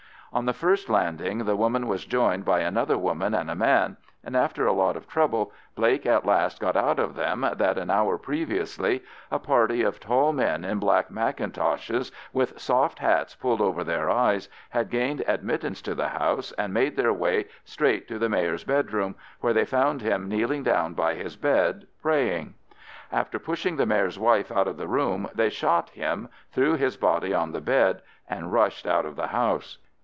On the first landing the woman was joined by another woman and a man, and after a lot of trouble Blake at last got out of them that an hour previously a party of tall men in black mackintoshes, with soft hats pulled over their eyes, had gained admittance to the house, and made their way straight to the Mayor's bedroom, where they found him kneeling down by his bed praying. After pushing the Mayor's wife out of the room they shot him, threw his body on the bed, and rushed out of the house.